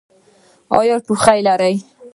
ایا ټوخی لرئ؟